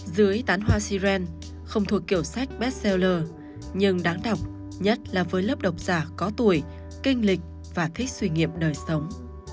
dưới tán hoa siren không thuộc kiểu sách bestseller nhưng đáng đọc nhất là với lớp đọc giả có tuổi kinh lịch và thích suy nghiệm đời sống